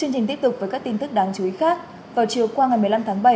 đối với các tin tức đáng chú ý khác vào chiều qua ngày một mươi năm tháng bảy